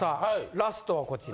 ラストはこちら。